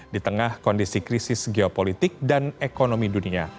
di tengah kondisi krisis geopolitik dan ekonomi dunia